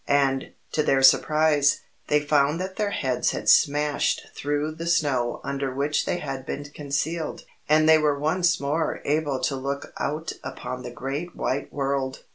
And, to their surprise, they found that their heads had smashed through the snow under which they had been concealed, and they were once more able to look out upon the great white world.